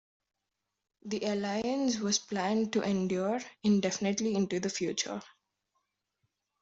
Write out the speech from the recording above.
The alliance was planned to endure indefinitely into the future.